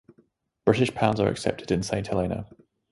British pounds are accepted in Saint Helena.